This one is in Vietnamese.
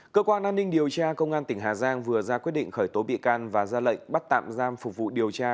cơ quan an ninh điều tra công an tỉnh hà giang vừa ra quyết định khởi tố bị can và ra lệnh bắt tạm giam phục vụ điều tra